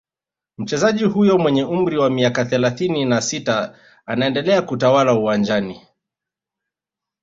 Mchezaji huyo mwenye umri wa miaka thelathini na sita anaendelea kutawala uwanjani